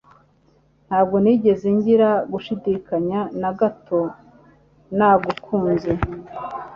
Ntabwo nigeze ngira gushidikanya na gatoko nagukunze